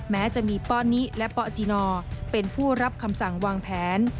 แม้จะมีป้อนิและปจินเป็นผู้รับคำสั่งวางแผน